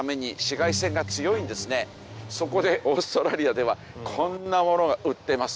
そこでオーストラリアではこんなものが売っています。